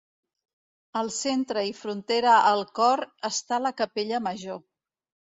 Al centre i frontera al cor està la capella major.